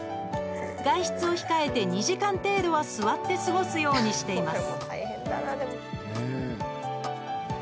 外出を控えて２時間程度は座って過ごすようにしています。